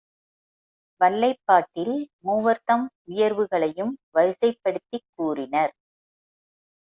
வள்ளைப் பாட்டில் மூவர்தம் உயர்வுகளையும் வரிசைப் படுத்திக் கூறினர்.